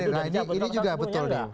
ini juga betul